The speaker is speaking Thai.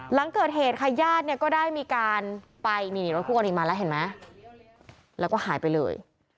หลังเกิดเหตุค่ะญาติเนี่ยก็ได้มีการไปนี่รถคู่กรณีมาแล้วเห็นไหมแล้วก็หายไปเลย